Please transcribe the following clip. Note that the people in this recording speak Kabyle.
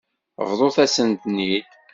Bḍut-asen-ten-id.